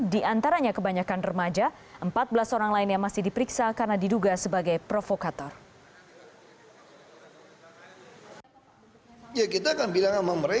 di antaranya kebanyakan remaja empat belas orang lainnya masih diperiksa karena diduga sebagai provokator